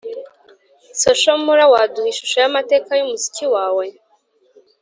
Social Mula, waduha ishusho y’amateka y’umuziki wawe?